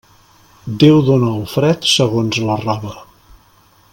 Déu dóna el fred segons la roba.